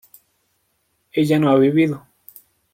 ella no ha vivido